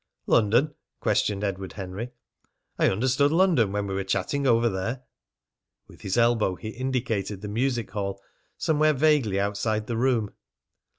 "London?" questioned Edward Henry. "I understood London when we were chatting over there." With his elbow he indicated the music hall, somewhere vaguely outside the room.